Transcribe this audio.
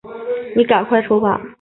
你赶快出发